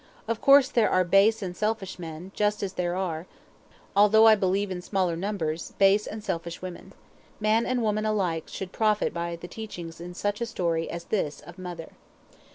Of course there are base and selfish men, just as there are, although I believe in smaller number, base and selfish women. Man and woman alike should profit by the teachings in such a story as this of "Mother."